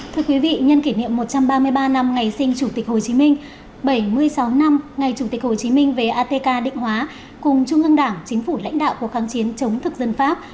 thưa quý vị nhân kỷ niệm một trăm ba mươi ba năm ngày sinh chủ tịch hồ chí minh bảy mươi sáu năm ngày chủ tịch hồ chí minh về atk định hóa cùng trung ương đảng chính phủ lãnh đạo cuộc kháng chiến chống thực dân pháp